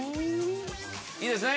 いいですね？